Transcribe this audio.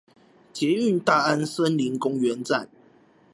捷運大安森林公園站